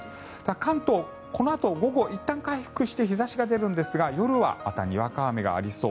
関東、このあと午後いったん回復して日差しが出るんですが夜はまたにわか雨がありそう。